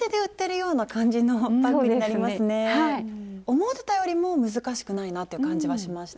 思ってたよりも難しくないなっていう感じはしました。